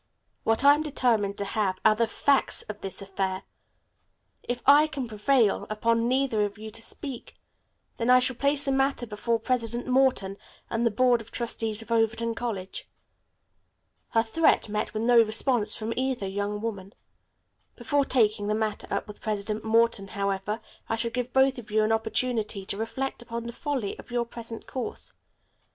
What I am determined to have are the facts of this affair. If I can prevail upon neither of you to speak them I shall place the matter before President Morton and the Board of Trustees of Overton College." Her threat met with no response from either young woman. "Before taking the matter up with President Morton, however, I shall give both of you an opportunity to reflect upon the folly of your present course.